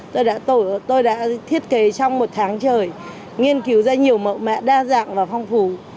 tôi đã thiết kế trong một tháng trời nghiên cứu ra nhiều mẫu mẹ đa dạng và phong phú